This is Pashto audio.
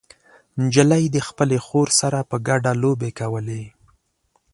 نجلۍ د خپلې خور سره په ګډه لوبې کولې.